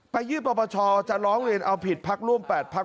ไปยื่นประประชาจะร้องเรียนเอาผิดพรุ่งร่วมแปดพรุ่ง